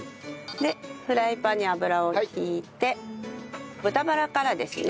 でフライパンに油を引いて豚バラからですね。